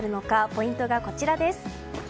ポイントがこちらです。